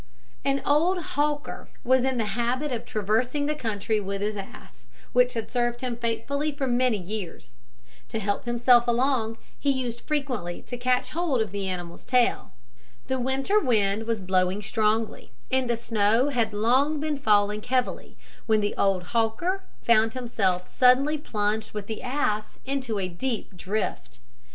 An old hawker was in the habit of traversing the country with his ass, which had served him faithfully for many years. To help himself along, he used frequently to catch hold of the animal's tail. The winter wind was blowing strongly, and snow had long been falling heavily, when the old hawker found himself suddenly plunged with the ass into a deep drift.